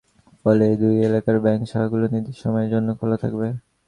ফলে দুই দিনই এই এলাকার ব্যাংক শাখাগুলো নির্দিষ্ট সময়ের জন্য খোলা থাকবে।